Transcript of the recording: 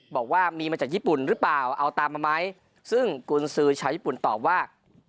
บอกว่ามีมาจากญี่ปุ่นหรือเปล่าเอาตามมาไหมซึ่งกุญสือชาวญี่ปุ่นตอบว่า